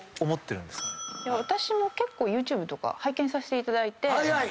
私も結構ＹｏｕＴｕｂｅとか拝見させていただいて。